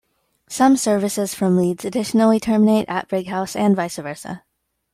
Some services from Leeds additionally terminate at Brighouse and vice versa.